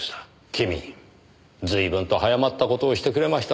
君随分と早まった事をしてくれましたね。